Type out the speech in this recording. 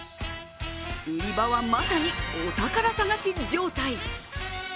売り場は、まさにお宝探し状態。